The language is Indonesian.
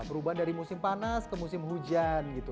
perubahan dari musim panas ke musim hujan gitu